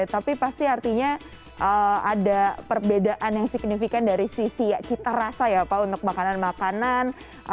tapi pasti artinya ada perbedaan yang signifikan dari sisi cita rasa ya pak untuk makanan makanan